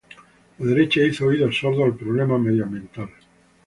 La derecha hizo oídos sordos al problema medioambiental